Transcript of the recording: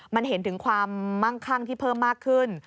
มันเห็นถึงความมั่งคั่งที่เพิ่มมากขึ้น